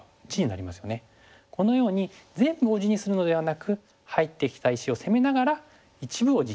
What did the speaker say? このように全部を地にするのではなく入ってきた石を攻めながら一部を地にする。